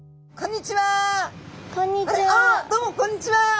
どうもこんにちは！